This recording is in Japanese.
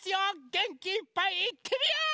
げんきいっぱいいってみよ！